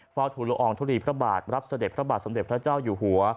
ทุลอองทุลีพระบาทรับเสด็จพระบาทสมเด็จพระเจ้าอยู่หัว